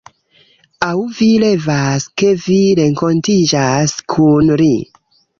Aŭ vi revas ke vi renkontiĝas kun li